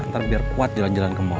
ntar biar kuat jalan jalan ke mal